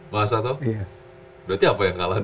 masa tau berarti apa yang kalah nih